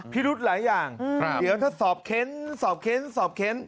พิรุธหลายอย่างเดี๋ยวถ้าสอบเค้นสอบเค้นสอบเค้น